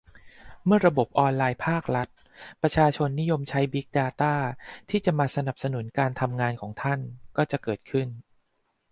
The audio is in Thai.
เมื่อระบบออนไลน์ภาครัฐ ประชาชนนิยมใช้ บิ๊กดาต้า ที่จะมาสนับสนุนการทำงานของท่าน ก็จะเกิดขึ้น